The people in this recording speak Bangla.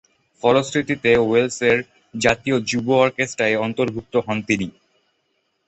ফলশ্রুতিতে ওয়েলসের জাতীয় যুব অর্কেস্টায় অন্তর্ভুক্ত হন তিনি।